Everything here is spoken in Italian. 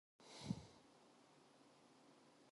L'anno successivo è fondamentale per Bolt.